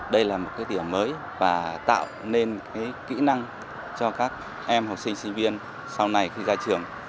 đây là một cái điểm mới và tạo nên kỹ năng cho các em học sinh sinh viên sau này khi ra trường